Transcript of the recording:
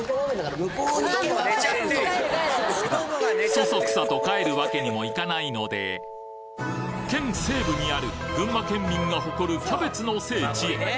そそくさと帰るわけにもいかないので県西部にある群馬県民が誇るキャベツの聖地